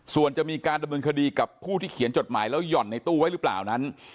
ส่วนจะมีการดำเนินคดีกับผู้ที่เขียนจดหมายแล้วหย่อนในตู้ไว้หรือเปล่านั้น